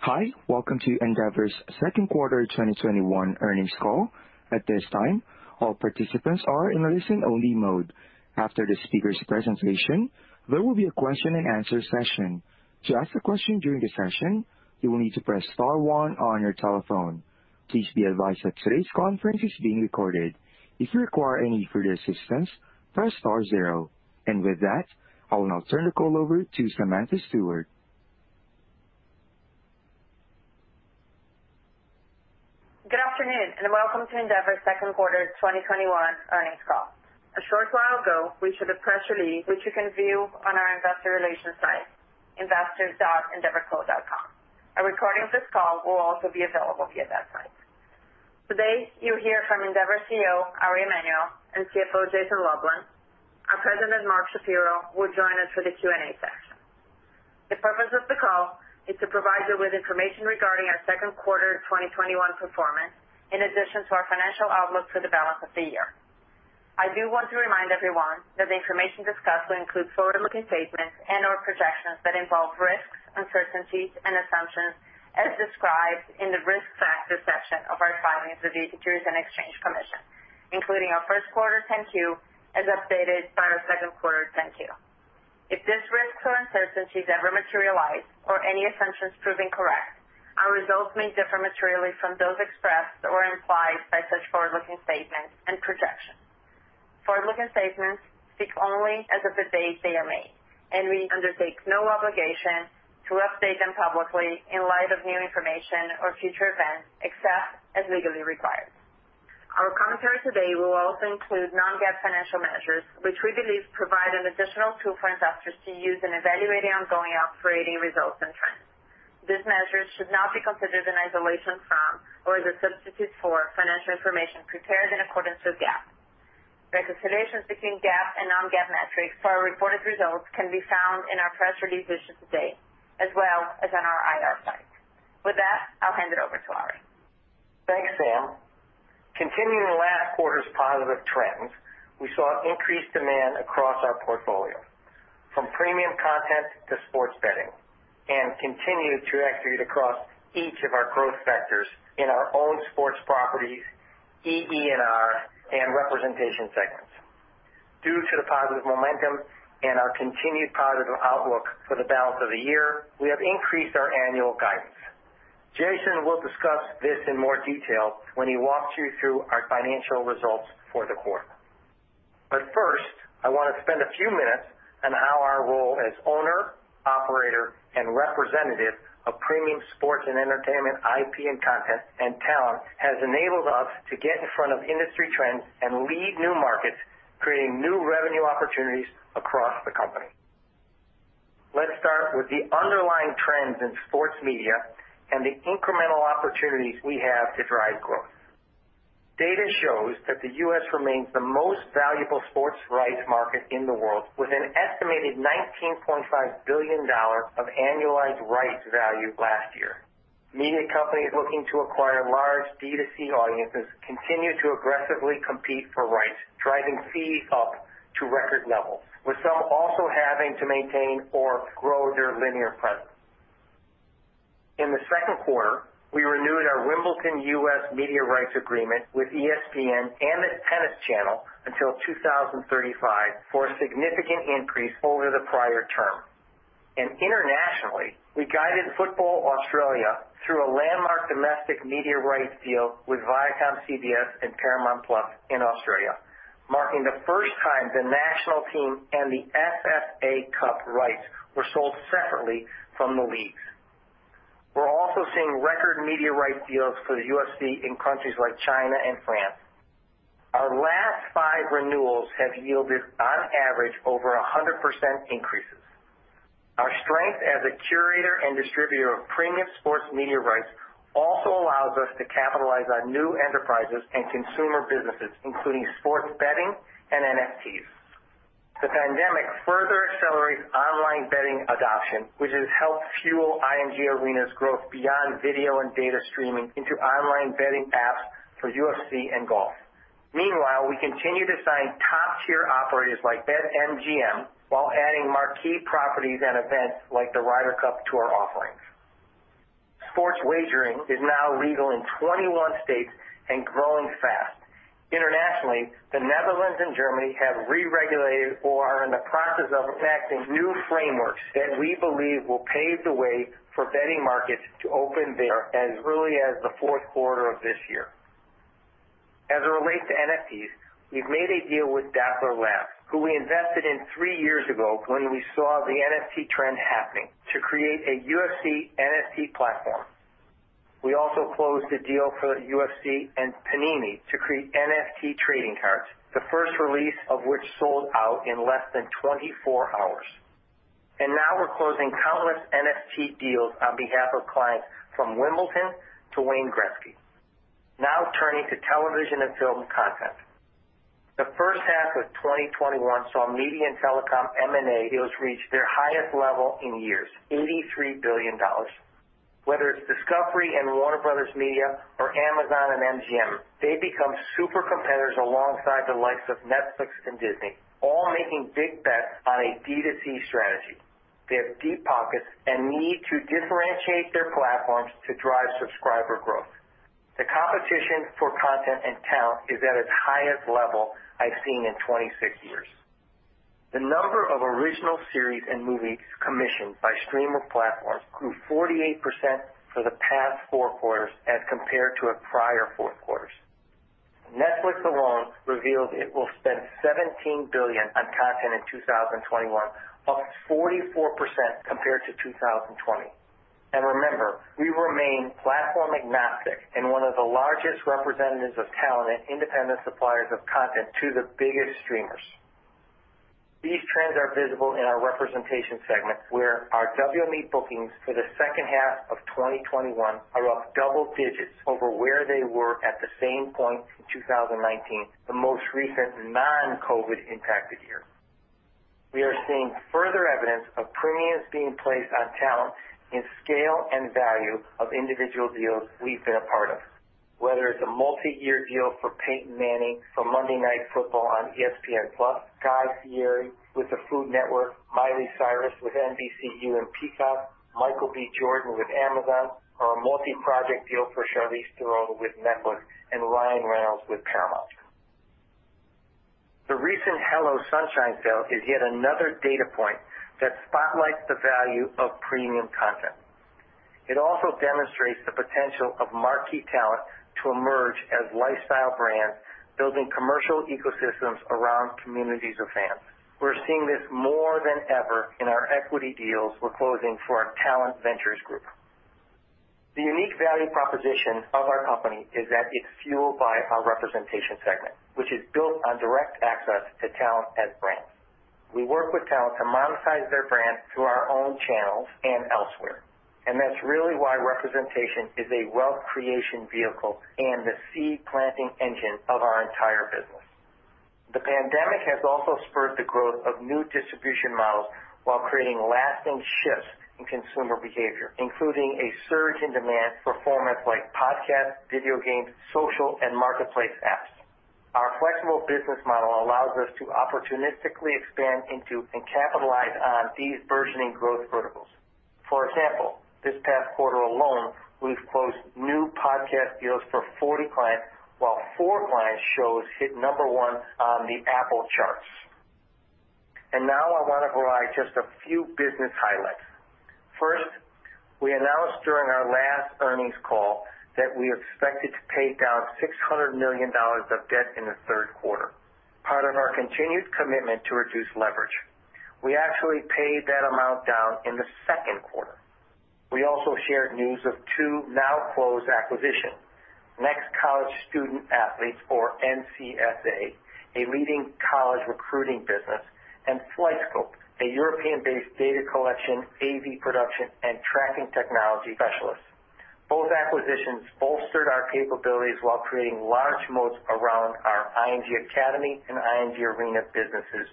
Hi, welcome to Endeavor's second quarter 2021 earnings call. At this time, all participants are in a listen-only mode. After the speaker's presentation, there will be a question and answer session. To ask a question during the session, you will need to press star one on your telephone. Please be advised that today's conference is being recorded. If you require any further assistance, press star zero. With that, I will now turn the call over to Samanta Stewart. Good afternoon, welcome to Endeavor's second quarter 2021 earnings call. A short while ago, we issued a press release which you can view on our investor relations site, investors.endeavorco.com. A recording of this call will also be available via that site. Today, you'll hear from Endeavor CEO Ari Emanuel and CFO Jason Lublin. Our President, Mark Shapiro, will join us for the Q&A session. The purpose of the call is to provide you with information regarding our second quarter 2021 performance, in addition to our financial outlook for the balance of the year. I do want to remind everyone that the information discussed will include forward-looking statements and/or projections that involve risks, uncertainties, and assumptions as described in the Risk Factors section of our filings with the Securities and Exchange Commission, including our first quarter 10-Q, as updated by our second quarter 10-Q. If these risks or uncertainties ever materialize or any assumptions proven correct, our results may differ materially from those expressed or implied by such forward-looking statements and projections. Forward-looking statements speak only as of the date they are made, and we undertake no obligation to update them publicly in light of new information or future events, except as legally required. Our commentary today will also include non-GAAP financial measures, which we believe provide an additional tool for investors to use in evaluating ongoing operating results and trends. These measures should not be considered in isolation from or as a substitute for financial information prepared in accordance with GAAP. Reconciliations between GAAP and non-GAAP metrics for our reported results can be found in our press release issued today, as well as on our IR site. With that, I'll hand it over to Ari. Thanks, Sam. Continuing last quarter's positive trends, we saw increased demand across our portfolio, from premium content to sports betting, and continued trajectory across each of our growth vectors in our owned sports properties, E & R, and representation segments. Due to the positive momentum and our continued positive outlook for the balance of the year, we have increased our annual guidance. Jason will discuss this in more detail when he walks you through our financial results for the quarter. First, I want to spend a few minutes on how our role as owner, operator, and representative of premium sports and entertainment IP and content and talent has enabled us to get in front of industry trends and lead new markets, creating new revenue opportunities across the company. Let's start with the underlying trends in sports media and the incremental opportunities we have to drive growth. Data shows that the U.S. remains the most valuable sports rights market in the world, with an estimated $19.5 billion of annualized rights value last year. Media companies looking to acquire large D2C audiences continue to aggressively compete for rights, driving fees up to record levels, with some also having to maintain or grow their linear presence. In the second quarter, we renewed our Wimbledon U.S. media rights agreement with ESPN and the Tennis Channel until 2035 for a significant increase over the prior term. Internationally, we guided Football Australia through a landmark domestic media rights deal with ViacomCBS and Paramount+ in Australia, marking the first time the national team and the FFA Cup rights were sold separately from the leagues. We're also seeing record media rights deals for the UFC in countries like China and France. Our last five renewals have yielded on average over 100% increases. Our strength as a curator and distributor of premium sports media rights also allows us to capitalize on new enterprises and consumer businesses, including sports betting and NFTs. The pandemic further accelerates online betting adoption, which has helped fuel IMG Arena's growth beyond video and data streaming into online betting apps for UFC and golf. We continue to sign top-tier operators like BetMGM while adding marquee properties and events like the Ryder Cup to our offerings. Sports wagering is now legal in 21 states and growing fast. Internationally, the Netherlands and Germany have re-regulated or are in the process of enacting new frameworks that we believe will pave the way for betting markets to open there as early as the fourth quarter of this year. As it relates to NFTs, we've made a deal with Dapper Labs, who we invested in three years ago when we saw the NFT trend happening, to create a UFC NFT platform. We also closed a deal for the UFC and Panini to create NFT trading cards, the first release of which sold out in less than 24 hours. Now we're closing countless NFT deals on behalf of clients from Wimbledon to Wayne Gretzky. Now turning to television and film content. The first half of 2021 saw media and telecom M&A deals reach their highest level in years, $83 billion. Whether it's Discovery and WarnerMedia or Amazon and MGM, they become super competitors alongside the likes of Netflix and Disney, all making big bets on a D2C strategy. They have deep pockets and need to differentiate their platforms to drive subscriber growth. The competition for content and talent is at its highest level I've seen in 26 years. The number of original series and movies commissioned by streamer platforms grew 48% for the past four quarters as compared to a prior four quarters. Netflix alone revealed it will spend $17 billion on content in 2021, up 44% compared to 2020. Remember, we remain platform-agnostic and one of the largest representatives of talent and independent suppliers of content to the biggest streamers. These trends are visible in our representation segment, where our WME bookings for the second half of 2021 are up double digits over where they were at the same point in 2019, the most recent non-COVID impacted year. We are seeing further evidence of premiums being placed on talent in scale and value of individual deals we've been a part of, whether it's a multi-year deal for Peyton Manning for Monday Night Football on ESPN+, Guy Fieri with the Food Network, Miley Cyrus with NBCU and Peacock, Michael B. Jordan with Amazon, or a multi-project deal for Charlize Theron with Netflix, and Ryan Reynolds with Paramount. The recent Hello Sunshine sale is yet another data point that spotlights the value of premium content. It also demonstrates the potential of marquee talent to emerge as lifestyle brands, building commercial ecosystems around communities of fans. We're seeing this more than ever in our equity deals we're closing for our Talent Ventures group. The unique value proposition of our company is that it's fueled by our representation segment, which is built on direct access to talent as brands. We work with talent to monetize their brands through our own channels and elsewhere, that's really why representation is a wealth creation vehicle and the seed planting engine of our entire business. The pandemic has also spurred the growth of new distribution models while creating lasting shifts in consumer behavior, including a surge in demand for formats like podcasts, video games, social and marketplace apps. Our flexible business model allows us to opportunistically expand into and capitalize on these burgeoning growth verticals. For example, this past quarter alone, we've closed new podcast deals for 40 clients, while four clients' shows hit number one on the Apple charts. Now I want to provide just a few business highlights. First, we announced during our last earnings call that we expected to pay down $600 million of debt in the third quarter, part of our continued commitment to reduce leverage. We actually paid that amount down in the second quarter. We also shared news of two now closed acquisitions. Next College Student Athlete, or NCSA, a leading college recruiting business, and FlightScope, a European-based data collection, AV production, and tracking technology specialist. Both acquisitions bolstered our capabilities while creating large moats around our IMG Academy and IMG Arena businesses.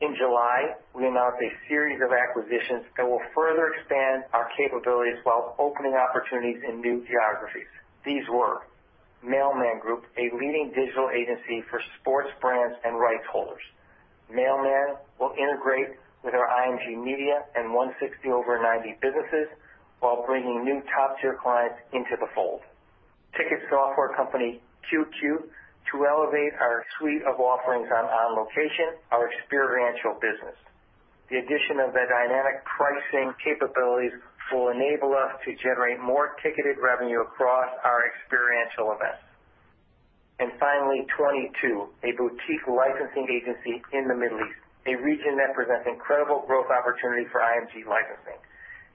In July, we announced a series of acquisitions that will further expand our capabilities while opening opportunities in new geographies. These were Mailman Group, a leading digital agency for sports brands and rights holders. Mailman will integrate with our IMG media and 160over90 businesses while bringing new top-tier clients into the fold. Ticket software company, Qcue, to elevate our suite of offerings on On Location, our experiential business. The addition of the dynamic pricing capabilities will enable us to generate more ticketed revenue across our experiential events. Finally, 20too, a boutique licensing agency in the Middle East, a region that presents incredible growth opportunity for IMG Licensing.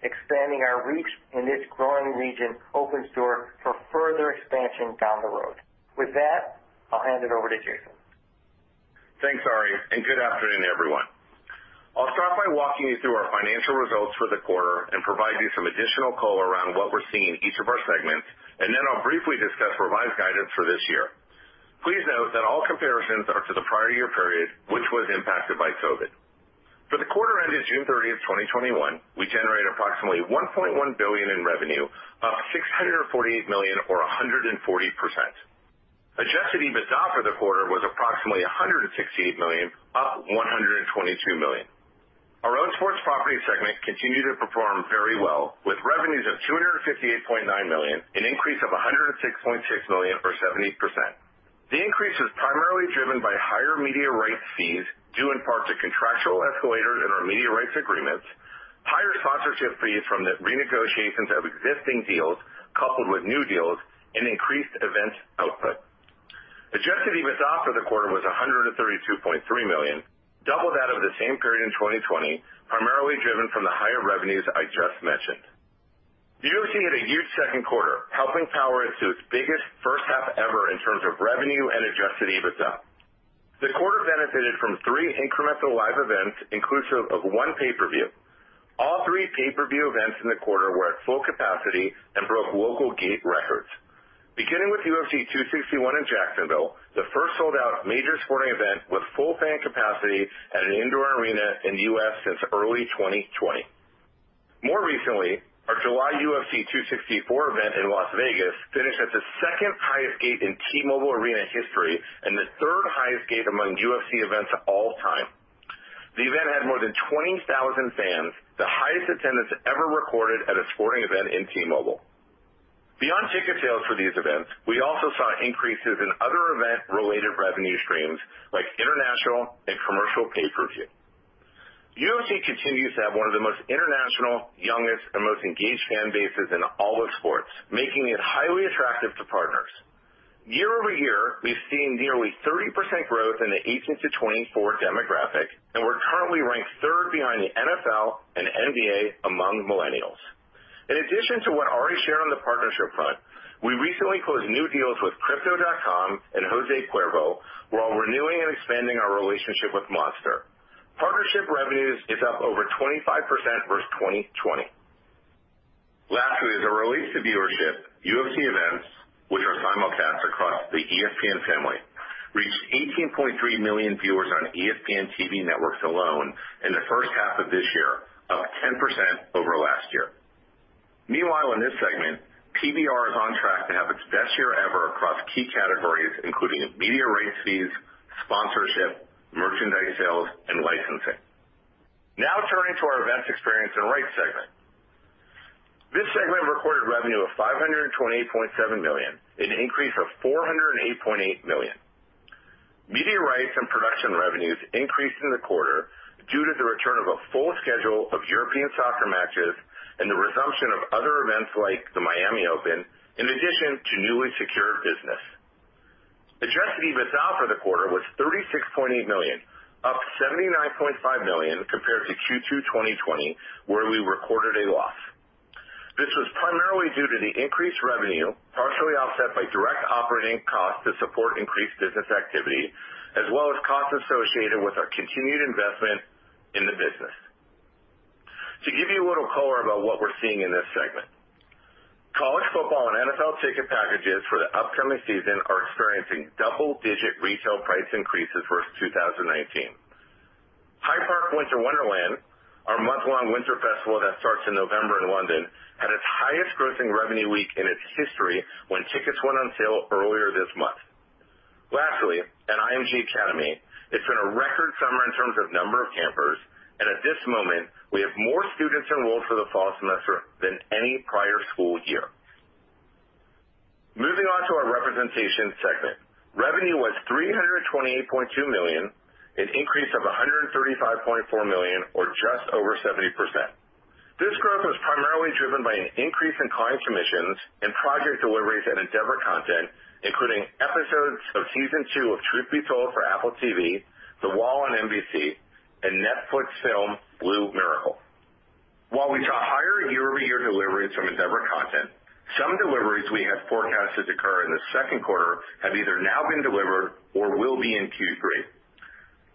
Expanding our reach in this growing region opens doors for further expansion down the road. With that, I'll hand it over to Jason. Thanks, Ari, good afternoon, everyone. I'll start by walking you through our financial results for the quarter and provide you some additional color around what we're seeing in each of our segments, then I'll briefly discuss revised guidance for this year. Please note that all comparisons are to the prior year period, which was impacted by COVID. For the quarter ended June 30th, 2021, we generated approximately $1.1 billion in revenue, up $648 million or 140%. Adjusted EBITDA for the quarter was approximately $168 million, up $122 million. Our Owned Sports Properties segment continued to perform very well, with revenues of $258.9 million, an increase of $106.6 million or 70%. The increase was primarily driven by higher media rights fees, due in part to contractual escalators in our media rights agreements, higher sponsorship fees from the renegotiations of existing deals coupled with new deals, and increased event output. Adjusted EBITDA for the quarter was $132.3 million, double that of the same period in 2020, primarily driven from the higher revenues I just mentioned. UFC had a huge second quarter, helping power it to its biggest first half ever in terms of revenue and Adjusted EBITDA. The quarter benefited from three incremental live events, inclusive of one pay-per-view. All three pay-per-view events in the quarter were at full capacity and broke local gate records. Beginning with UFC 261 in Jacksonville, the first sold-out major sporting event with full fan capacity at an indoor arena in the U.S. since early 2020. More recently, our July UFC 264 event in Las Vegas finished as the second highest gate in T-Mobile Arena history and the third highest gate among UFC events of all time. The event had more than 20,000 fans, the highest attendance ever recorded at a sporting event in T-Mobile. Beyond ticket sales for these events, we also saw increases in other event related revenue streams like international and commercial pay-per-view. UFC continues to have one of the most international, youngest, and most engaged fan bases in all of sports, making it highly attractive to partners. Year-over-year, we've seen nearly 30% growth in the 18-24 demographic, and we're currently ranked third behind the NFL and NBA among millennials. In addition to what I already shared on the partnership front, we recently closed new deals with Crypto.com and Jose Cuervo, while renewing and expanding our relationship with Monster. Partnership revenues is up over 25% versus 2020. Lastly, as it relates to viewership, UFC events, which are simulcast across the ESPN family, reached 18.3 million viewers on ESPN TV networks alone in the first half of this year, up 10% over last year. Meanwhile, in this segment, PBR is on track to have its best year ever across key categories, including media rights fees, sponsorship, merchandise sales, and licensing. Turning to our Events, Experiences & Rights segment. This segment recorded revenue of $528.7 million, an increase of $408.8 million. Media rights and production revenues increased in the quarter due to the return of a full schedule of European soccer matches and the resumption of other events like the Miami Open, in addition to newly secured business. Adjusted EBITDA for the quarter was $36.8 million, up $79.5 million compared to Q2 2020, where we recorded a loss. This was primarily due to the increased revenue, partially offset by direct operating costs to support increased business activity, as well as costs associated with our continued investment in the business. To give you a little color about what we're seeing in this segment, college football and NFL ticket packages for the upcoming season are experiencing double-digit retail price increases versus 2019. Hyde Park Winter Wonderland, our month-long winter festival that starts in November in London, had its highest grossing revenue week in its history when tickets went on sale earlier this month. Lastly, at IMG Academy, it's been a record summer in terms of number of campers, and at this moment, we have more students enrolled for the fall semester than any prior school year. Moving on to our representation segment. Revenue was $328.2 million, an increase of $135.4 million or just over 70%. This growth was primarily driven by an increase in client commissions and project deliveries at Endeavor Content, including episodes of season 2 of Truth Be Told for Apple TV, The Wall on NBC, and Netflix film Blue Miracle. While we saw higher year-over-year deliveries from Endeavor Content, some deliveries we had forecasted to occur in the second quarter have either now been delivered or will be in Q3.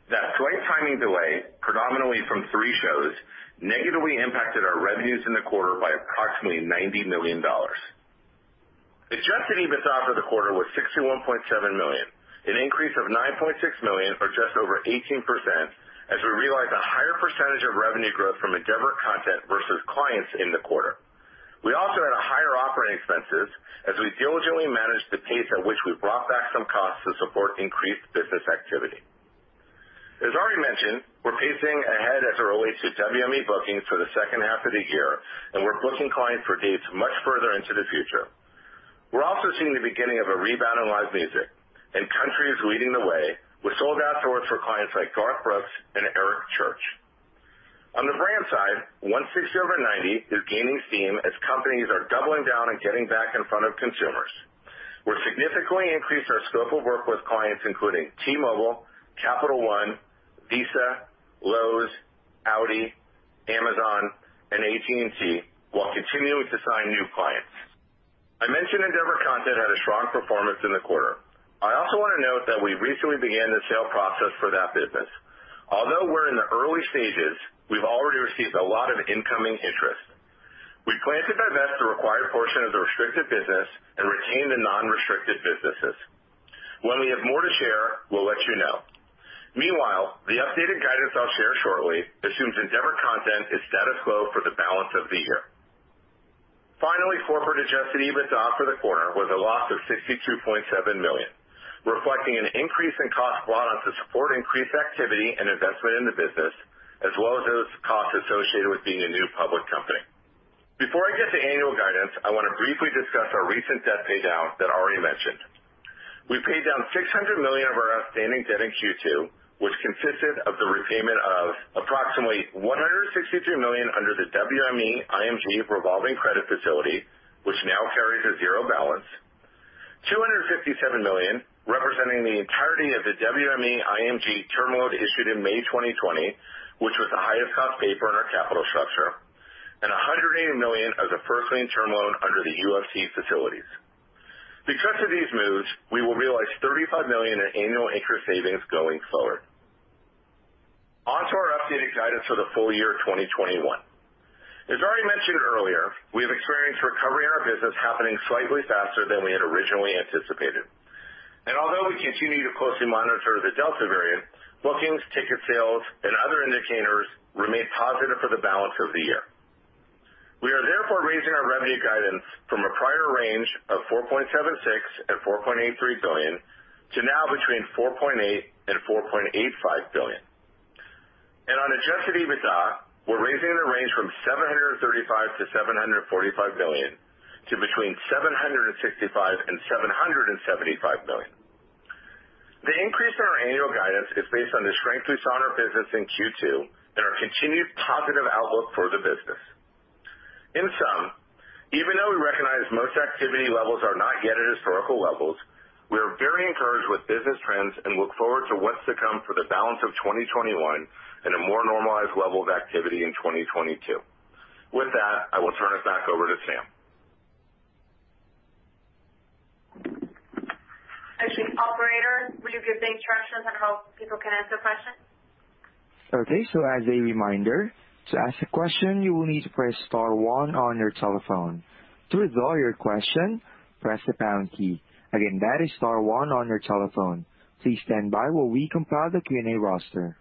That slight timing delay, predominantly from three shows, negatively impacted our revenues in the quarter by approximately $90 million. Adjusted EBITDA for the quarter was $61.7 million, an increase of $9.6 million or just over 18% as we realized a higher percentage of revenue growth from Endeavor Content versus clients in the quarter. We also had higher operating expenses as we diligently managed the pace at which we brought back some costs to support increased business activity. As already mentioned, we're pacing ahead as it relates to WME bookings for the second half of the year, and we're booking clients for dates much further into the future. We're also seeing the beginning of a rebound in live music and countries leading the way with sold-out tours for clients like Garth Brooks and Eric Church. On the brand side, 160over90 is gaining steam as companies are doubling down and getting back in front of consumers. We're significantly increased our scope of work with clients including T-Mobile, Capital One, Visa, Lowe's, Audi, Amazon, and AT&T while continuing to sign new clients. I mentioned Endeavor Content had a strong performance in the quarter. I also want to note that we recently began the sale process for that business. Although we're in the early stages, we've already received a lot of incoming interest. We plan to divest the required portion of the restricted business and retain the non-restricted businesses. When we have more to share, we'll let you know. Meanwhile, the updated guidance I'll share shortly assumes Endeavor Content is status quo for the balance of the year. Finally, corporate adjusted EBITDA for the quarter was a loss of $62.7 million, reflecting an increase in cost brought on to support increased activity and investment in the business, as well as those costs associated with being a new public company. Before I get to annual guidance, I want to briefly discuss our recent debt pay down that I already mentioned. We paid down $600 million of our outstanding debt in Q2, which consisted of the repayment of approximately $163 million under the WME IMG revolving credit facility, which now carries a 0 balance. $257 million representing the entirety of the WME IMG term loan issued in May 2020, which was the highest cost paper in our capital structure, and $180 million as a first lien term loan under the UFC facilities. Because of these moves, we will realize $35 million in annual interest savings going forward. Guidance for the full year 2021. As already mentioned earlier, we have experienced recovery in our business happening slightly faster than we had originally anticipated. Although we continue to closely monitor the Delta variant, bookings, ticket sales, and other indicators remain positive for the balance of the year. We are therefore raising our revenue guidance from a prior range of $4.76 billion and $4.83 billion to now between $4.8 billion and $4.85 billion. On adjusted EBITDA, we're raising the range from $735 million-$745 million to between $765 million and $775 million. The increase in our annual guidance is based on the strength we saw in our business in Q2 and our continued positive outlook for the business. In sum, even though we recognize most activity levels are not yet at historical levels, we are very encouraged with business trends and look forward to what's to come for the balance of 2021 and a more normalized level of activity in 2022. With that, I will turn us back over to Sam. Actually, operator, would you give the instructions on how people can ask a question? Okay, so as a reminder, to ask a question, you will need to press star one on your telephone. To withdraw your question, press the pound key. Again, that is star one on your telephone. Please stand by while we compile the Q&A roster.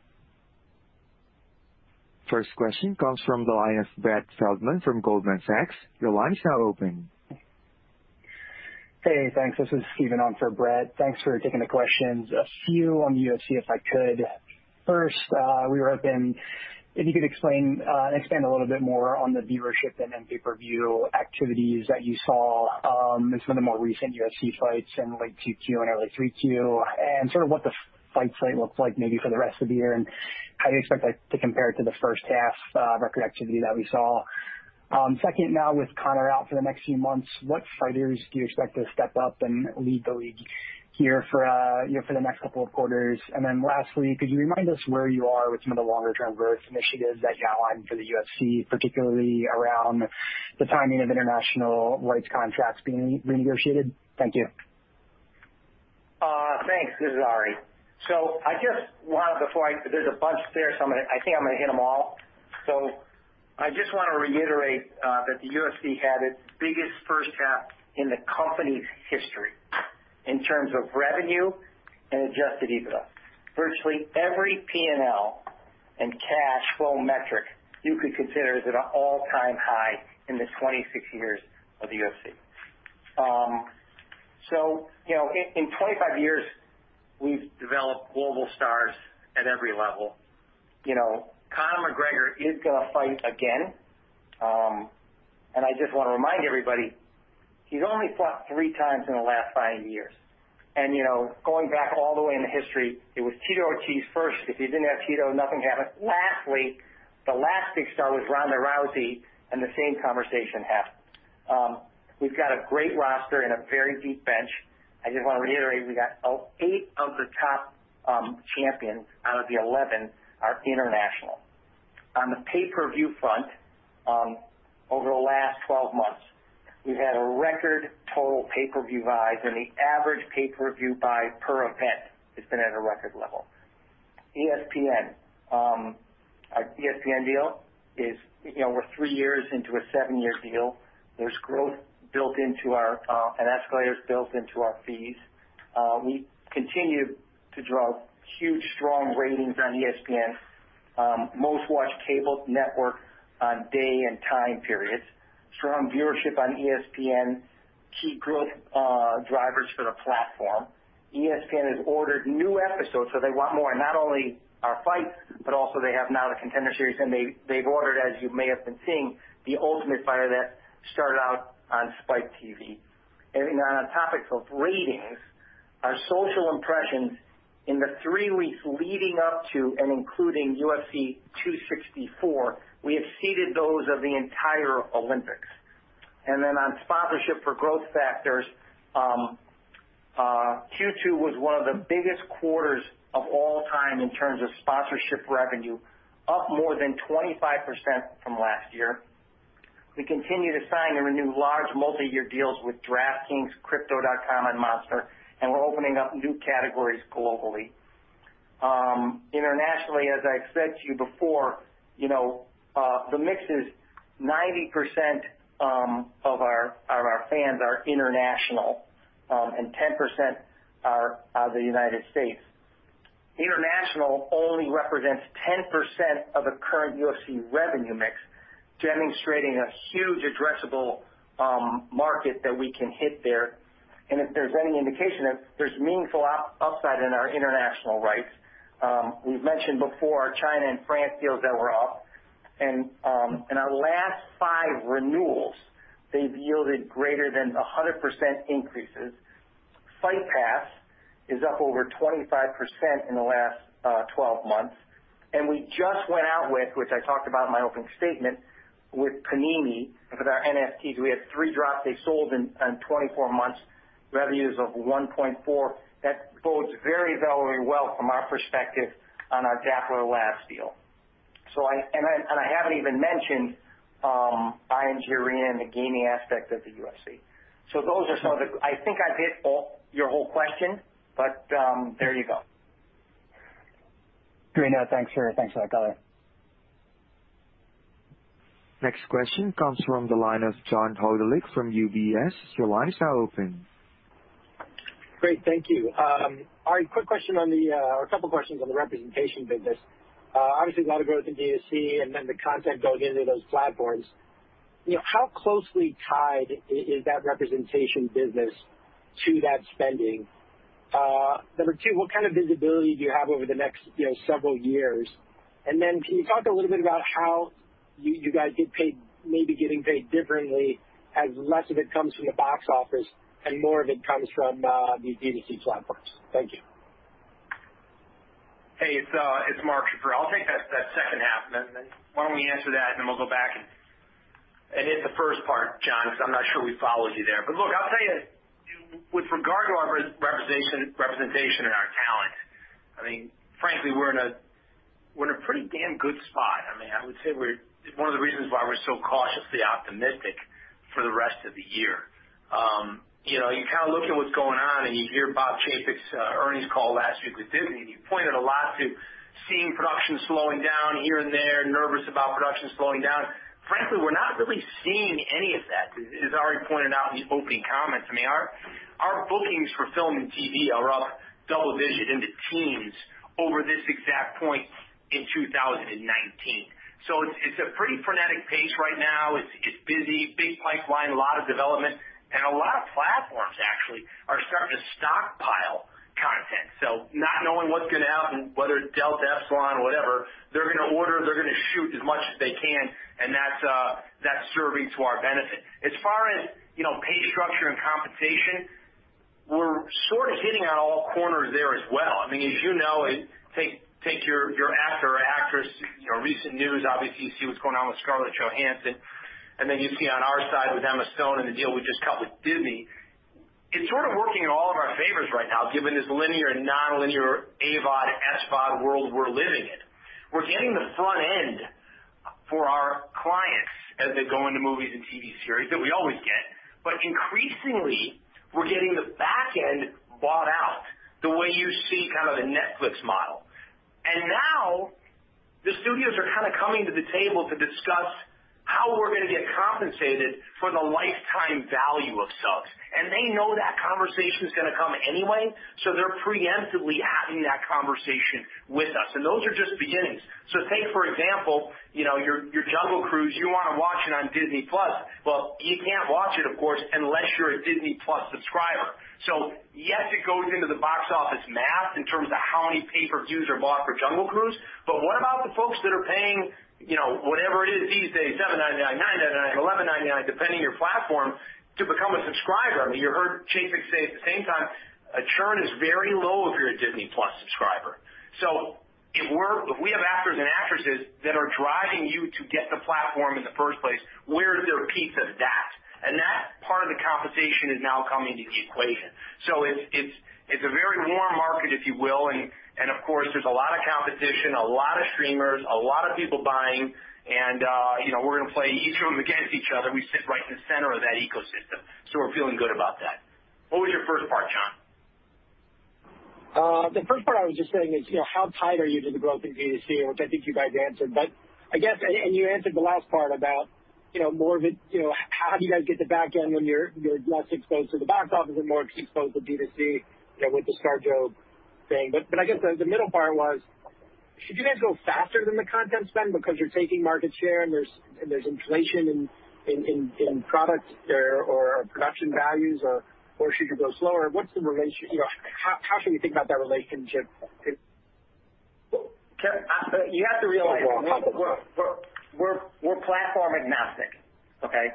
First question comes from the line of Brett Feldman from Goldman Sachs. Your line is now open. Hey, thanks. This is Steven on for Brett. Thanks for taking the questions. A few on the UFC, if I could. First, if you could expand a little bit more on the viewership and then pay-per-view activities that you saw in some of the more recent UFC fights in late Q2 and early Q3, and sort of what the fight slate looks like maybe for the rest of the year, and how you expect that to compare to the first half record activity that we saw. Second, now with Conor out for the next few months, what fighters do you expect to step up and lead the league here for the next couple of quarters? Lastly, could you remind us where you are with some of the longer-term growth initiatives that you outlined for the UFC, particularly around the timing of international rights contracts being renegotiated? Thank you. Thanks. This is Ari. There's a bunch there. I think I'm going to hit them all. I just want to reiterate that the UFC had its biggest first half in the company's history in terms of revenue and adjusted EBITDA. Virtually every P&L and cash flow metric you could consider is at an all-time high in the 26 years of the UFC. In 25 years, we've developed global stars at every level. Conor McGregor is going to fight again. I just want to remind everybody, he's only fought three times in the last five years. Going back all the way in the history, it was Tito Ortiz first. If you didn't have Tito, nothing happened. Lastly, the last big star was Ronda Rousey. The same conversation happened. We've got a great roster and a very deep bench. I just want to reiterate, we got eight of the top champions out of the 11 are international. On the pay-per-view front, over the last 12 months, we've had a record total pay-per-view buys, and the average pay-per-view buy per event has been at a record level. ESPN. Our ESPN deal is we're three years into a seven-year deal. There's growth built into our, and escalators built into our fees. We continue to draw huge, strong ratings on ESPN, most watched cable network on day and time periods. Strong viewership on ESPN, key growth drivers for the platform. ESPN has ordered new episodes, so they want more of not only our fights, but also they have now the Contender Series, and they've ordered, as you may have been seeing, "The Ultimate Fighter" that started out on Spike TV. On topics of ratings, our social impressions in the three weeks leading up to and including UFC 264, we exceeded those of the entire Olympics. On sponsorship for growth factors, Q2 was one of the biggest quarters of all time in terms of sponsorship revenue, up more than 25% from last year. We continue to sign and renew large multi-year deals with DraftKings, Crypto.com, and Monster, we're opening up new categories globally. Internationally, as I've said to you before, the mix is 90% of our fans are international, and 10% are the United States. International only represents 10% of the current UFC revenue mix, demonstrating a huge addressable market that we can hit there. If there's any indication, there's meaningful upside in our international rights. We've mentioned before our China and France deals that were up, and our last five renewals, they've yielded greater than 100% increases. Fight Pass is up over 25% in the last 12 months. We just went out with, which I talked about in my opening statement, with Panini with our NFTs. We had three drops they sold in 24 months, revenues of $1.4. That bodes very, very well from our perspective on our Dapper Labs deal. I haven't even mentioned in the gaming aspect of the UFC. Those are some of the I think I hit your whole question, but there you go. Great. No, thanks. Sure. Thanks a lot, guys. Next question comes from the line of John Hodulik from UBS. Your lines are open. Great. Thank you. Ari, two questions on the representation business. Obviously, a lot of growth in D2C and then the content going into those platforms. How closely tied is that representation business to that spending? Number two, what kind of visibility do you have over the next several years? Can you talk a little bit about how you guys get paid, maybe getting paid differently as less of it comes from the box office and more of it comes from these D2C platforms? Thank you. Hey, it's Mark Shapiro. I'll take that second half. Why don't we answer that and then we'll go back and hit the first part, John, because I'm not sure we followed you there. Look, I'll tell you, with regard to our representation and our talent, frankly, we're in a pretty damn good spot. I would say one of the reasons why we're so cautiously optimistic for the rest of the year. You kind of look at what's going on and you hear Bob Chapek's earnings call last week with Disney, and he pointed a lot to seeing production slowing down here and there, nervous about production slowing down. Frankly, we're not really seeing any of that, as Ari pointed out in the opening comments. Our bookings for film and TV are up double-digit into teens over this exact point in 2019. It's a pretty frenetic pace right now. It's busy, big pipeline, a lot of development, and a lot of platforms actually are starting to stockpile content. Not knowing what's going to happen, whether Delta, epsilon, or whatever, they're going to order, they're going to shoot as much as they can, and that's serving to our benefit. As far as pay structure and compensation, we're sort of hitting on all corners there as well. As you know, take your actor or actress, recent news, obviously, you see what's going on with Scarlett Johansson, and then you see on our side with Emma Stone and the deal we just cut with Disney. It's sort of working in all of our favors right now, given this linear and nonlinear AVOD, SVOD world we're living in. We're getting the front end for our clients as they go into movies and TV series that we always get. Increasingly, we're getting the back end bought out the way you see kind of the Netflix model. Now the studios are kind of coming to the table to discuss how we're going to get compensated for the lifetime value of subs. They know that conversation is going to come anyway, so they're preemptively having that conversation with us. Those are just beginnings. Take for example, your Jungle Cruise, you want to watch it on Disney+. Well, you can't watch it, of course, unless you're a Disney+ subscriber. Yes, it goes into the box office math in terms of how many pay-per-views are bought for Jungle Cruise. What about the folks that are paying whatever it is these days, $7.99, $9.99, or $11.99, depending on your platform, to become a subscriber. You heard Chapek say at the same time, churn is very low if you're a Disney+ subscriber. If we have actors and actresses that are driving you to get the platform in the first place, where's their piece of that? That part of the conversation is now coming into the equation. It's a very warm market, if you will. Of course, there's a lot of competition, a lot of streamers, a lot of people buying, and we're going to play each of them against each other. We sit right in the center of that ecosystem. We're feeling good about that. What was your first part, John? The first part I was just saying is how tied are you to the growth in D2C, which I think you guys answered. You answered the last part about how do you guys get the back end when you're less exposed to the box office and more exposed to D2C with the ScarJo thing. I guess the middle part was, should you guys go faster than the content spend because you're taking market share and there's inflation in products or production values, or should you go slower? How should we think about that relationship? You have to realize we're platform agnostic. Okay.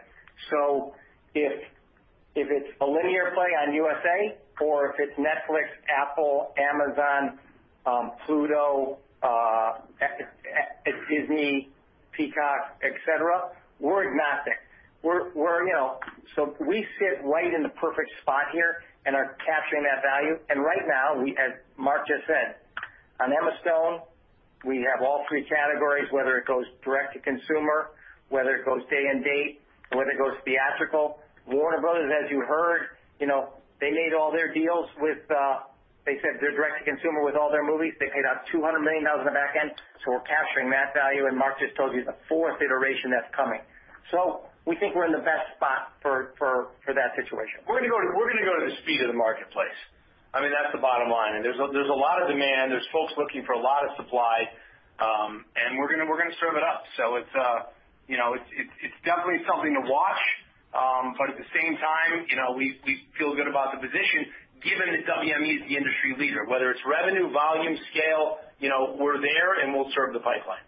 If it's a linear play on USA Network or if it's Netflix, Apple, Amazon, Pluto, Disney, Peacock, et cetera, we're agnostic. We sit right in the perfect spot here and are capturing that value. Right now, as Mark just said, on Emma Stone, we have all three categories, whether it goes direct to consumer, whether it goes day and date, or whether it goes theatrical. Warner Bros., as you heard, they made all their deals with, they said they're direct to consumer with all their movies. They paid out $200 million on the back end. We're capturing that value. Mark just told you the fourth iteration that's coming. We think we're in the best spot for that situation. We're going to go to the speed of the marketplace. That's the bottom line. There's a lot of demand. There's folks looking for a lot of supply, and we're going to serve it up. It's definitely something to watch, but at the same time, we feel good about the position given that WME is the industry leader, whether it's revenue, volume, scale, we're there and we'll serve the pipeline.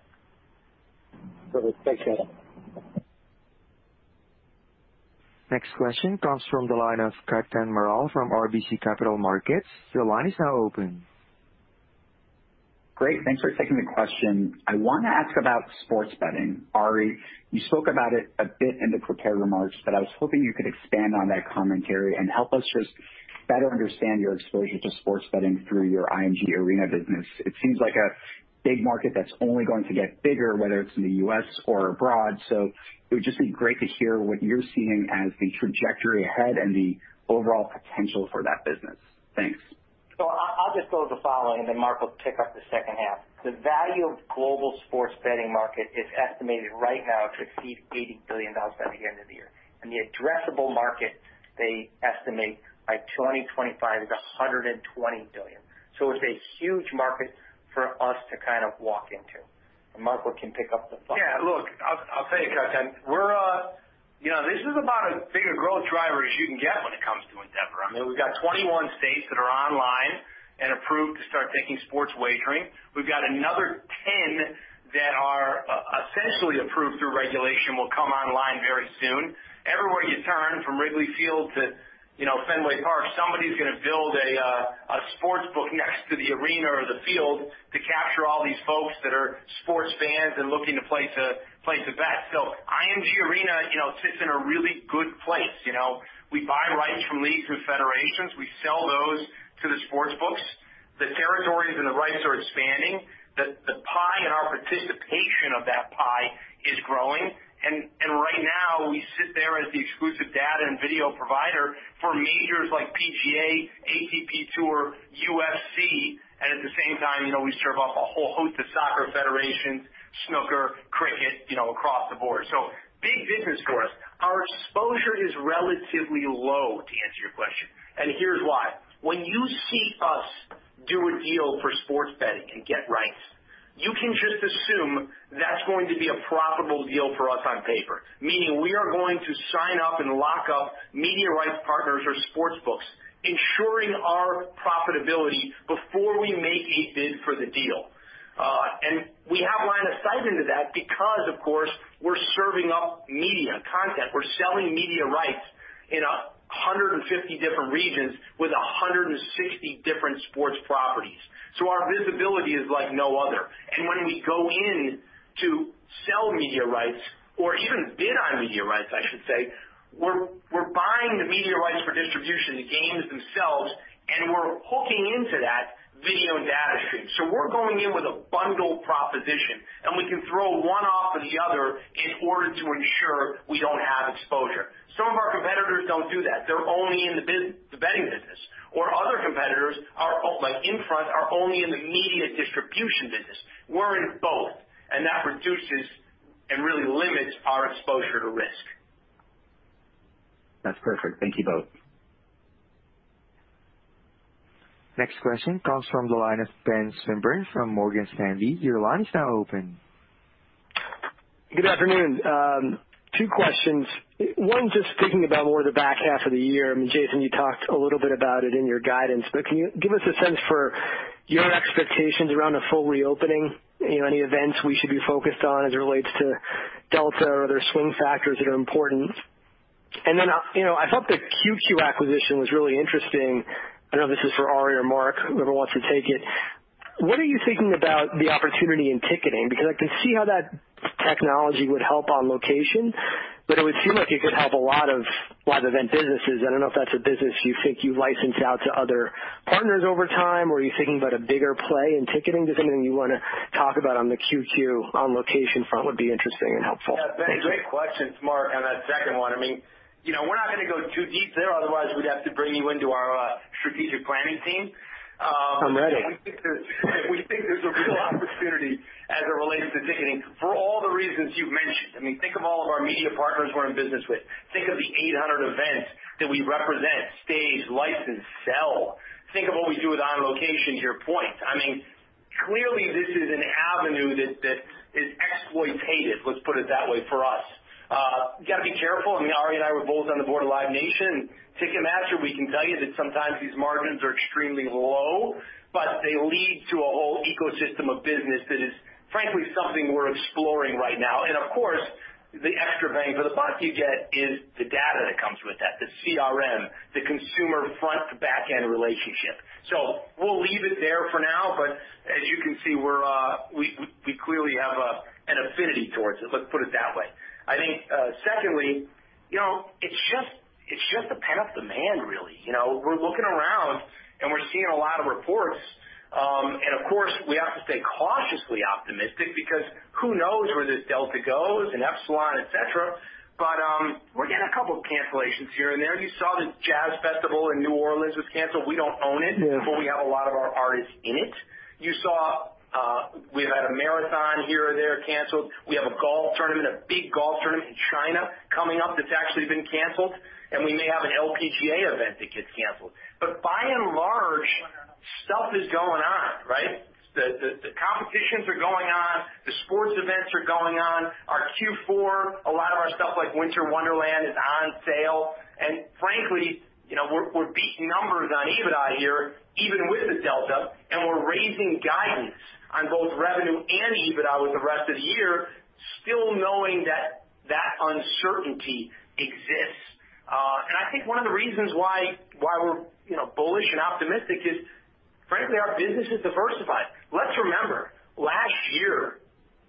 Thanks, gentlemen. Next question comes from the line of Kutgun Maral from RBC Capital Markets. Your line is now open. Great. Thanks for taking the question. I want to ask about sports betting. Ari, you spoke about it a bit in the prepared remarks, but I was hoping you could expand on that commentary and help us just better understand your exposure to sports betting through your IMG Arena business. It seems like a big market that's only going to get bigger, whether it's in the U.S. or abroad. It would just be great to hear what you're seeing as the trajectory ahead and the overall potential for that business. Thanks. I'll just go with the following, and then Mark will pick up the second half. The value of global sports betting market is estimated right now to exceed $80 billion by the end of the year. The addressable market, they estimate by 2025, is $120 billion. It's a huge market for us to walk into. Mark can pick up the flag. Yeah, look, I'll tell you, Kutgun, this is about as big a growth driver as you can get when it comes to Endeavor. I mean, we've got 21 states that are online and approved to start taking sports wagering. We've got another 10 that are essentially approved through regulation, will come online very soon. Everywhere you turn, from Wrigley Field to Fenway Park, somebody's going to build a sports book next to the arena or the field to capture all these folks that are sports fans and looking to place a bet. IMG Arena sits in a really good place. We buy rights from leagues or federations. We sell those to the sports books. The territories and the rights are expanding. The pie and our participation of that pie is growing. Right now, we sit there as the exclusive data and video provider for majors like PGA, ATP Tour, UFC, and at the same time, we serve up a whole host of soccer federations, snooker, cricket, across the board. Big business for us. Our exposure is relatively low, to answer your question, and here's why. When you see us do a deal for sports betting and get rights, you can just assume that's going to be a profitable deal for us on paper, meaning we are going to sign up and lock up media rights partners or sports books ensuring our profitability before we make a bid for the deal. We have line of sight into that because, of course, we're serving up media content. We're selling media rights in 150 different regions with 160 different sports properties. Our visibility is like no other. When we go in to sell media rights or even bid on media rights, I should say, we're buying the media rights for distribution, the games themselves, and we're hooking into that video data stream. We're going in with a bundled proposition, and we can throw one off for the other in order to ensure we don't have exposure. Some of our competitors don't do that. They're only in the betting business. Other competitors like Infront are only in the media distribution business. We're in both, and that reduces and really limits our exposure to risk. That's perfect. Thank you both. Next question comes from the line of Ben Swinburne from Morgan Stanley. Your line is now open. Good afternoon. Two questions. One, just thinking about more the back half of the year, I mean, Jason Lublin, you talked a little bit about it in your guidance. Can you give us a sense for your expectations around a full reopening? Any events we should be focused on as it relates to the Delta variant or other swing factors that are important? I thought the Qcue acquisition was really interesting. I know this is for Ari Emanuel or Mark Shapiro, whoever wants to take it. What are you thinking about the opportunity in ticketing? I can see how that technology would help On Location. It would seem like it could help a lot of live event businesses. I don't know if that's a business you think you'd license out to other partners over time, or are you thinking about a bigger play in ticketing? Just anything you want to talk about on the 10-Q On Location front would be interesting and helpful. Thank you. Yeah, Ben, great question. It's Mark on that second one. I mean, we're not going to go too deep there, otherwise we'd have to bring you into our strategic planning team. I'm ready. We think there's a real opportunity as it relates to ticketing for all the reasons you've mentioned. I mean, think of all of our media partners we're in business with. Think of the 800 events that we represent, stage, license, sell. Think of what we do with On Location, to your point. I mean, clearly, this is an avenue that is exploitative, let's put it that way, for us. You got to be careful. I mean, Ari and I were both on the board of Live Nation and Ticketmaster. We can tell you that sometimes these margins are extremely low. They lead to a whole ecosystem of business that is frankly something we're exploring right now. Of course, the extra bang for the buck you get is the data that comes with that, the CRM, the consumer front to back-end relationship. We'll leave it there for now, but as you can see, we clearly have an affinity towards it. Let's put it that way. I think, secondly, it's just the pent-up demand, really. We're looking around and we're seeing a lot of reports. Of course, we have to stay cautiously optimistic because who knows where this Delta goes and Epsilon, et cetera. We're getting a couple of cancellations here and there. You saw the Jazz Festival in New Orleans was canceled. We don't own it. Yeah. We have a lot of our artists in it. You saw we've had a marathon here or there canceled. We have a golf tournament, a big golf tournament in China coming up that's actually been canceled, and we may have an LPGA event that gets canceled. By and large, stuff is going on, right? The competitions are going on, the sports events are going on. Our Q4, a lot of our stuff like Hyde Park Winter Wonderland is on sale. Frankly, we're beating numbers on EBITDA here, even with the Delta, and we're raising guidance on both revenue and EBITDA with the rest of the year, still knowing that that uncertainty exists. I think one of the reasons why we're bullish and optimistic is, frankly, our business is diversified. Let's remember, last year,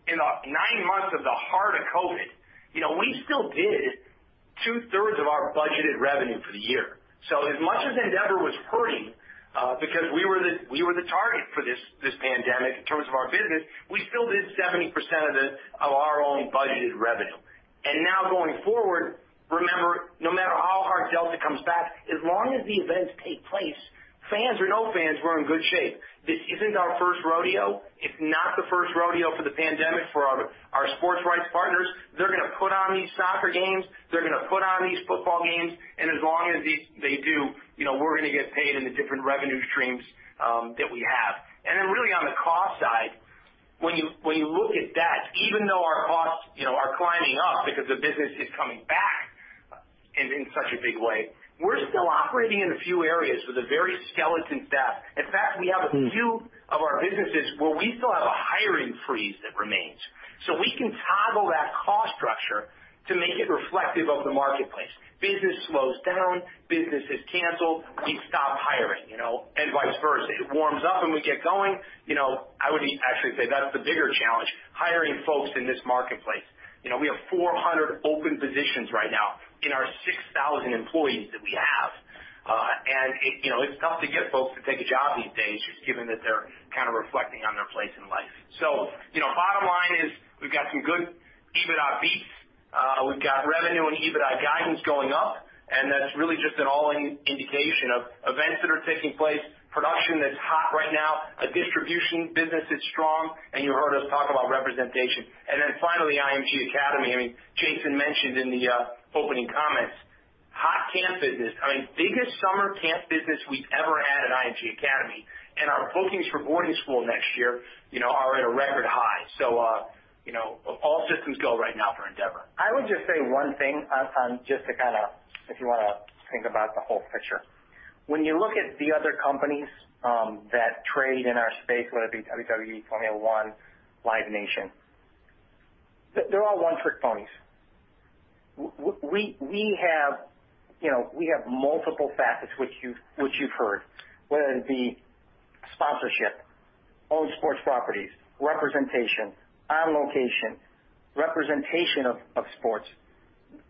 in the nine months of the heart of COVID, we still did two-thirds of our budgeted revenue for the year. As much as Endeavor was hurting because we were the target for this pandemic in terms of our business, we still did 70% of our own budgeted revenue. Now going forward, remember, no matter how hard Delta comes back, as long as the events take place, fans or no fans, we're in good shape. This isn't our first rodeo. It's not the first rodeo for the pandemic for our sports rights partners. They're going to put on these soccer games. They're going to put on these football games, and as long as they do, we're going to get paid in the different revenue streams that we have. Then really on the cost side, when you look at that, even though our costs are climbing up because the business is coming back in such a big way, we're still operating in a few areas with a very skeleton staff. In fact, we have a few of our businesses where we still have a hiring freeze that remains. We can toggle that cost structure to make it reflective of the marketplace. Business slows down, business is canceled, we stop hiring, and vice versa. It warms up, and we get going. I would actually say that's the bigger challenge, hiring folks in this marketplace. We have 400 open positions right now in our 6,000 employees that we have. It's tough to get folks to take a job these days, just given that they're kind of reflecting on their place in life. Bottom line is we've got some good EBITDA beats. We've got revenue and EBITDA guidance going up. That's really just an all-in indication of events that are taking place, production that's hot right now. The distribution business is strong, and you heard us talk about representation. Finally, IMG Academy. Jason mentioned in the opening comments, hot camp business. Biggest summer camp business we've ever had at IMG Academy, and our bookings for boarding school next year are at a record high. All systems go right now for Endeavor. I would just say one thing just to kind of, if you want to think about the whole picture. When you look at the other companies that trade in our space, whether it be WWE, Formula One, Live Nation, they're all one-trick ponies. We have multiple facets which you've heard, whether it be sponsorship, owned sports properties, representation, On Location, representation of sports.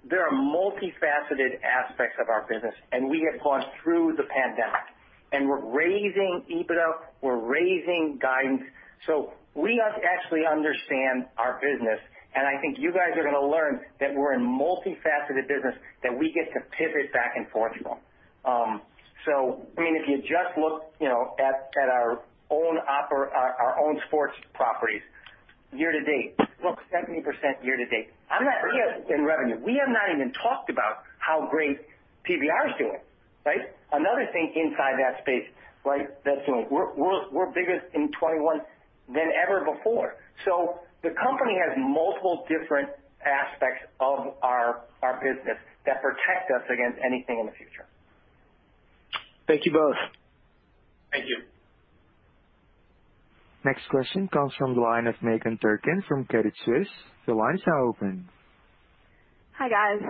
There are multifaceted aspects of our business, and we have gone through the pandemic, and we're raising EBITDA, we're raising guidance. We actually understand our business, and I think you guys are going to learn that we're a multifaceted business that we get to pivot back and forth from. If you just look at our own sports properties year to date, look, 70% year to date in revenue. We have not even talked about how great PBR is doing, right? We're bigger in 2021 than ever before. The company has multiple different aspects of our business that protect us against anything in the future. Thank you both. Thank you. Next question comes from the line of Meghan Durkin from Credit Suisse. The line is now open. Hi, guys.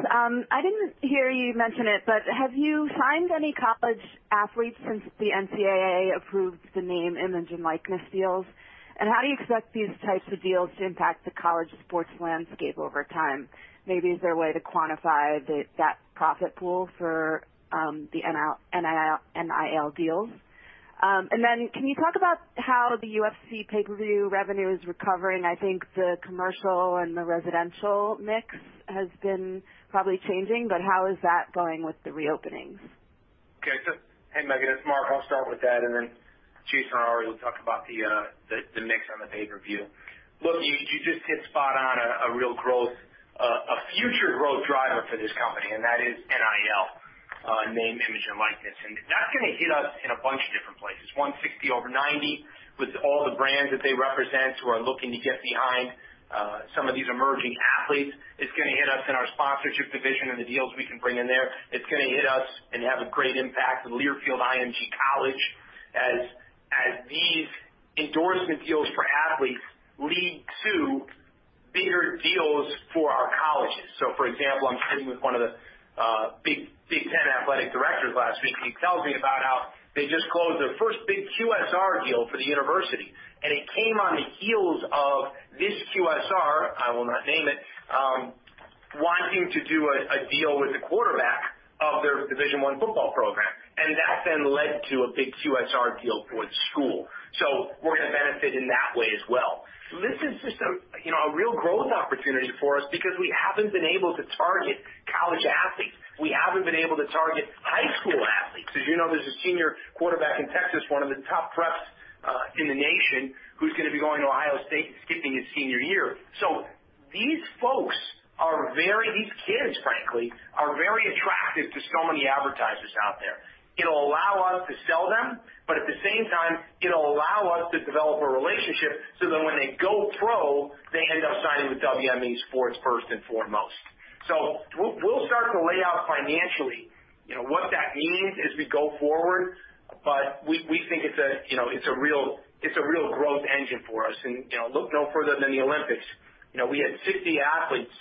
I didn't hear you mention it, have you signed any college athletes since the NCAA approved the name, image, and likeness deals? How do you expect these types of deals to impact the college sports landscape over time? Maybe is there a way to quantify that profit pool for the NIL deals? Can you talk about how the UFC pay-per-view revenue is recovering? I think the commercial and the residential mix has been probably changing, but how is that going with the reopenings? Okay. Hey, Meghan, it's Mark. I'll start with that. Then Jason or Ari will talk about the mix on the pay-per-view. Look, you just hit spot on a real growth, a future growth driver for this company, and that is NIL, name, image, and likeness. That's going to hit us in a bunch of different places. One, 160over90 with all the brands that they represent who are looking to get behind some of these emerging athletes. It's going to hit us in our sponsorship division and the deals we can bring in there. It's going to hit us and have a great impact on Learfield IMG College as these endorsement deals for athletes lead to bigger deals for our colleges. For example, I'm sitting with one of the Big Ten athletic directors last week, and he tells me about how they just closed their first big QSR deal for the university. It came on the heels of this QSR, I will not name it, wanting to do a deal with the quarterback of their Division 1 football program. That then led to a big QSR deal for the school. We're going to benefit in that way as well. This is just a real growth opportunity for us because we haven't been able to target college athletes. We haven't been able to target high school athletes. As you know, there's a senior quarterback in Texas, one of the top preps in the nation, who's going to be going to Ohio State and skipping his senior year. These folks are very-- These kids, frankly, are very attractive to so many advertisers out there. It'll allow us to sell them, but at the same time, it'll allow us to develop a relationship so that when they go pro, they end up signing with WME Sports first and foremost. We'll start to lay out financially what that means as we go forward, but we think it's a real growth engine for us. Look no further than the Olympics. We had 60 athletes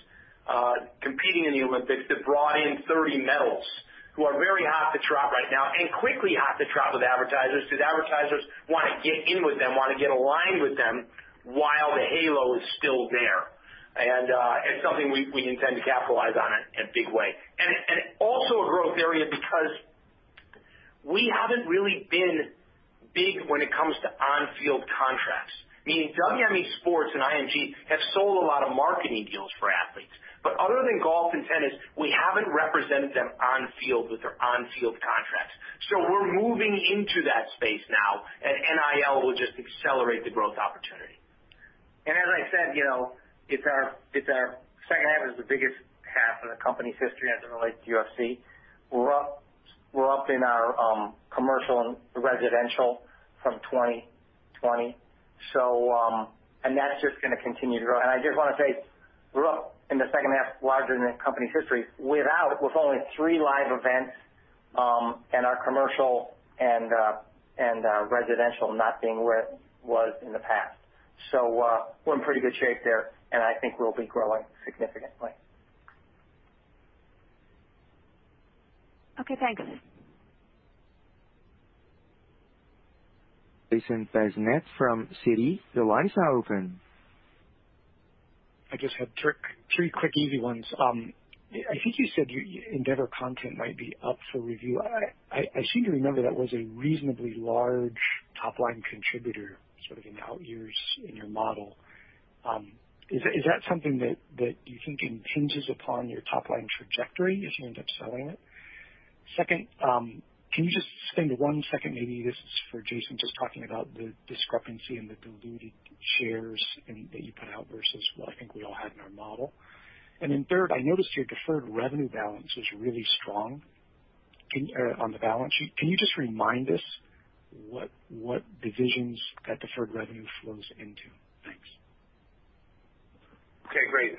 competing in the Olympics that brought in 30 medals, who are very hot to trot right now, and quickly hot to trot with advertisers, because advertisers want to get in with them, want to get aligned with them while the halo is still there. It's something we intend to capitalize on in a big way. Also a growth area because we haven't really been big when it comes to on-field contracts. Meaning WME Sports and IMG have sold a lot of marketing deals for athletes. Other than golf and tennis, we haven't represented them on-field with their on-field contracts. We're moving into that space now, and NIL will just accelerate the growth opportunity. As I said, if our second half is the biggest half in the company's history as it relates to UFC, we're up in our commercial and residential from 2020. That's just going to continue to grow. I just want to say we're up in the second half larger than the company's history with only three live events, and our commercial and residential not being where it was in the past. We're in pretty good shape there, and I think we'll be growing significantly. Okay, thank you. Jason Bazinet from Citi, the line is now open. I just have three quick easy ones. I think you said your Endeavor Content might be up for review. I seem to remember that was a reasonably large top-line contributor sort of in the out years in your model. Is that something that you think impinges upon your top-line trajectory if you end up selling it? Second, can you just spend one second, maybe this is for Jason, just talking about the discrepancy in the diluted shares that you put out versus what I think we all had in our model. Third, I noticed your deferred revenue balance was really strong on the balance sheet. Can you just remind us what divisions that deferred revenue flows into? Thanks. Okay, great.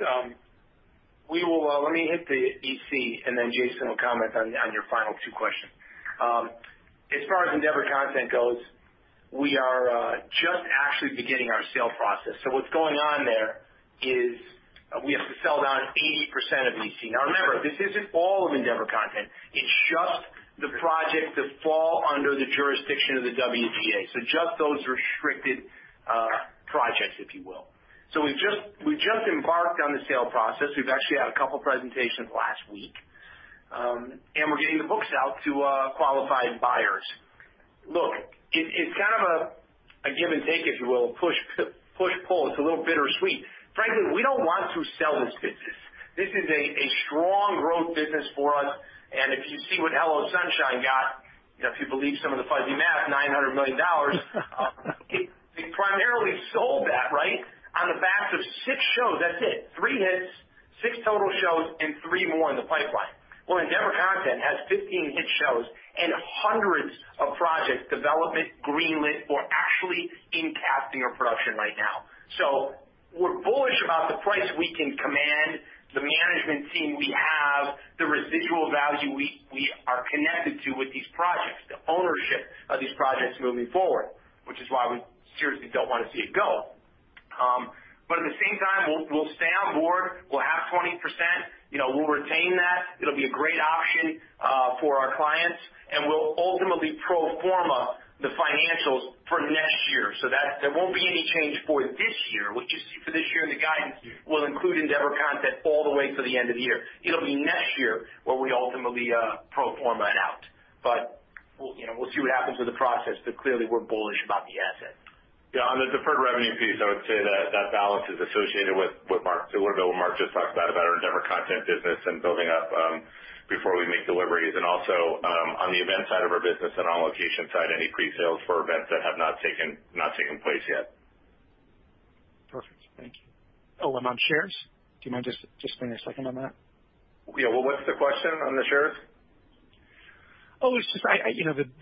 Let me hit the EC, and then Jason will comment on your final two questions. As far as Endeavor Content goes, we are just actually beginning our sale process. What's going on there is we have to sell down 80% of EC. Remember, this isn't all of Endeavor Content. It's just the projects that fall under the jurisdiction of the WGA. Just those restricted projects, if you will. We've just embarked on the sale process. We've actually had a couple presentations last week, and we're getting the books out to qualified buyers. Look, it's kind of a give and take, if you will. Push, pull. It's a little bittersweet. Frankly, we don't want to sell this business. This is a strong growth business for us, and if you see what Hello Sunshine got, if you believe some of the fuzzy math, $900 million. They primarily sold that on the backs of six shows. That's it. Three hits, six total shows, and three more in the pipeline. Well, Endeavor Content has 15 hit shows and hundreds of projects, development, greenlit, or actually in casting or production right now. We're bullish about the price we can command, the management team we have, the residual value we are connected to with these projects, the ownership of these projects moving forward, which is why we seriously don't want to see it go. At the same time, we'll stay on board. We'll have 20%. We'll retain that. It'll be a great option for our clients, and we'll ultimately pro forma the financials for next year. There won't be any change for this year. What you see for this year in the guidance will include Endeavor Content all the way to the end of the year. It'll be next year where we ultimately pro forma it out. We'll see what happens with the process, but clearly, we're bullish about the asset. On the deferred revenue piece, I would say that that balance is associated with what Mark just talked about, our Endeavor Content business and building up before we make deliveries, and also on the event side of our business and On Location side, any pre-sales for events that have not taken place yet. Perfect. Thank you. On shares, do you mind just spending a second on that? Yeah. Well, what's the question on the shares? It's just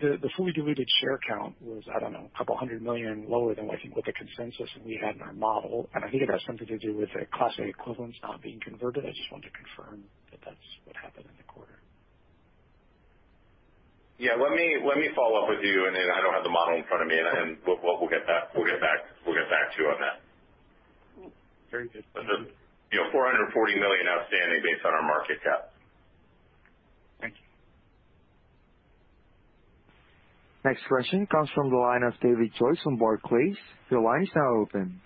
the fully diluted share count was, I don't know, a couple of hundred million lower than what the consensus we had in our model. I think it has something to do with the Class A equivalents not being converted. I just wanted to confirm that that's what happened in the quarter. Yeah. Let me follow up with you, and then I don't have the model in front of me, and we'll get back to you on that. Cool. Very good. There's $440 million outstanding based on our market cap. Thank you. Next question comes from the line of David Joyce from Barclays. Your line is now open.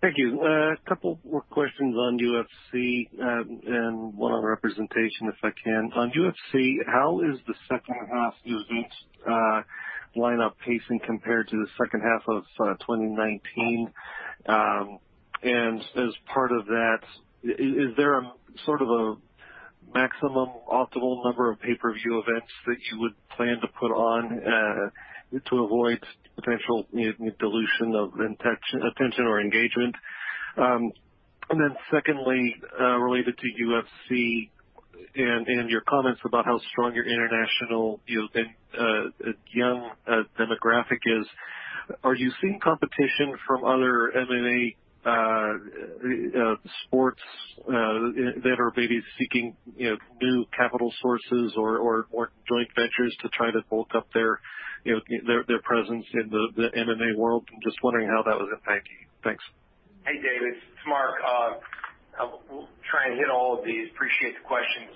Thank you. A couple more questions on UFC, and one on representation, if I can. On UFC, how is the second half events lineup pacing compared to the second half of 2019? As part of that, is there a sort of a maximum optimal number of pay-per-view events that you would plan to put on to avoid potential dilution of attention or engagement? Secondly, related to UFC and your comments about how strong your international young demographic is, are you seeing competition from other MMA sports that are maybe seeking new capital sources or joint ventures to try to bulk up their presence in the MMA world? I'm just wondering how that was impacting. Thanks. Hey, David. It's Mark. Try and hit all of these. Appreciate the questions.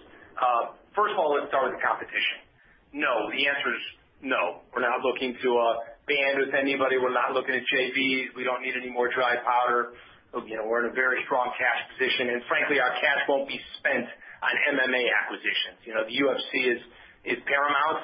First of all, let's start with the competition. No, the answer is no. We're not looking to band with anybody. We're not looking at JVs. We don't need any more dry powder. We're in a very strong cash position, and frankly, our cash won't be spent on MMA acquisitions. The UFC is paramount.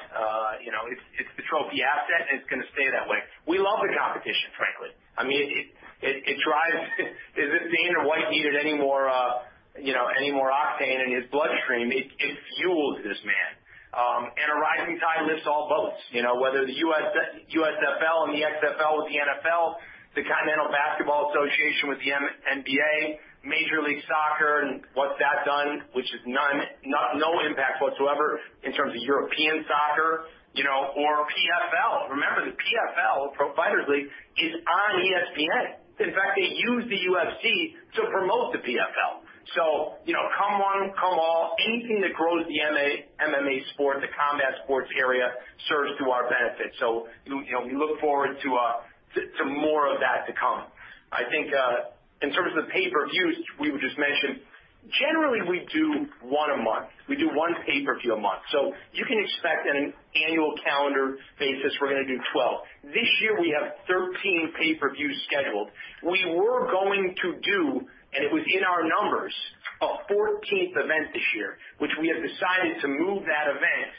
It's the trophy asset, and it's going to stay that way. We love the competition, frankly. Dana White needed any more octane in his bloodstream, it fuels this man. A rising tide lifts all boats whether the USFL and the XFL with the NFL, the Continental Basketball Association with the NBA, Major League Soccer, and what's that done, which is no impact whatsoever in terms of European soccer, or PFL. Remember, the PFL, Professional Fighters League, is on ESPN. In fact, they use the UFC to promote the PFL. Come one, come all, anything that grows the MMA sport, the combat sports area serves to our benefit. We look forward to more of that to come. I think, in terms of the pay-per-views, we would just mention, generally we do one a month. We do one pay-per-view a month. You can expect on an annual calendar basis, we're going to do 12. This year we have 13 pay-per-views scheduled. We were going to do, and it was in our numbers, a 14th event this year, which we have decided to move that event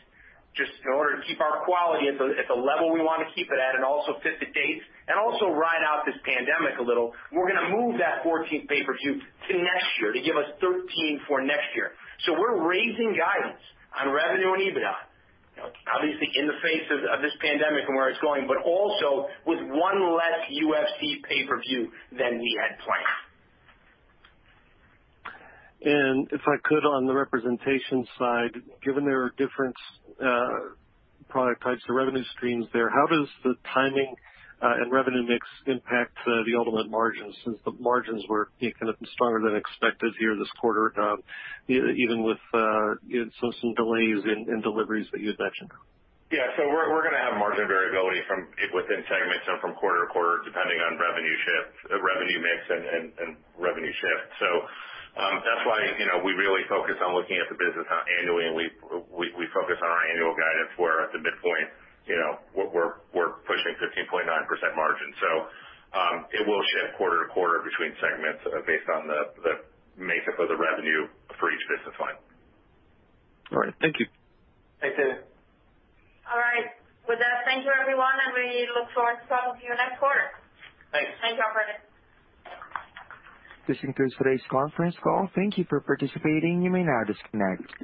just in order to keep our quality at the level we want to keep it at, and also fit the dates, and also ride out this pandemic a little. We're going to move that 14th pay-per-view to next year to give us 13 for next year. We're raising guidance on revenue and EBITDA, obviously in the face of this pandemic and where it's going, but also with one less UFC pay-per-view than we had planned. If I could on the representation side, given there are different product types or revenue streams there, how does the timing and revenue mix impact the ultimate margins since the margins were stronger than expected here this quarter, even with some delays in deliveries that you had mentioned? We're going to have margin variability within segments and from quarter to quarter, depending on revenue mix and revenue shift. That's why we really focus on looking at the business annually, and we focus on our annual guidance where at the midpoint we're pushing 15.9% margin. It will shift quarter to quarter between segments based on the makeup of the revenue for each business line. All right. Thank you. Thanks, David. All right. With that, thank you everyone, and we look forward to talking to you next quarter. Thanks. Thank you, operator. This concludes today's conference call. Thank you for participating. You may now disconnect.